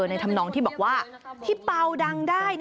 ทำนองที่บอกว่าที่เปล่าดังได้